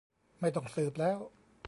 ไม่ต้องสืบแล้ว